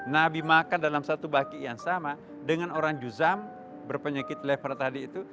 nabi makan dalam satu baki yang sama dengan orang juzam berpenyakit lever tadi itu